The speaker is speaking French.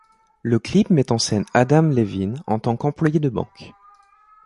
Le clip met en scène Adam Levine en tant qu'employé de banque.